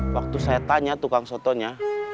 waktu saya tanya tukang sotonya